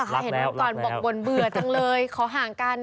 รักแล้วหรอคะเห็นก่อนบ่นเบื่อจังเลยขอห่างกัน